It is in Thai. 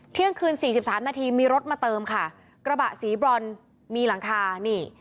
เที่ยงคืนสี่สิบสามนาทีมีรถมาเติมค่ะกระบะสีบรอนมีหลังคานี่